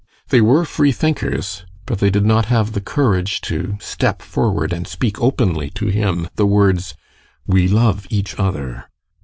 They were free thinkers, but they did not have the courage to step forward and speak openly to him the words: "We love each other!"